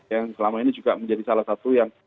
yang selama ini juga menjadi salah satu yang